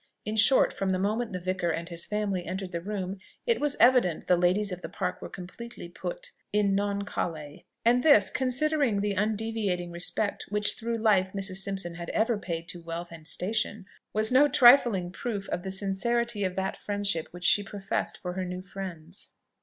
In short, from the moment the Vicar and his family entered the room, it was evident the ladies of the Park were completely put "In non cale;" and this, considering the undeviating respect which through life Mrs. Simpson had ever paid to wealth and station, was no trifling proof of the sincerity of that friendship which she professed for her new friends.